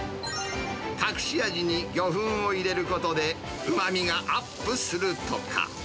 隠し味に魚粉を入れることで、うまみがアップするとか。